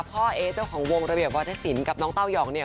เอ๊เจ้าของวงระเบียบวัฒนศิลป์กับน้องเต้ายองเนี่ย